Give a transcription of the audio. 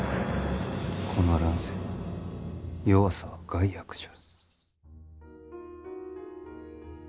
この乱世弱さは害悪じゃ。